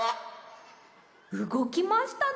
うごきましたね。